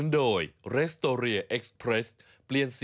ว่ามาสิ